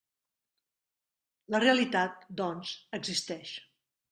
La realitat, doncs, existeix.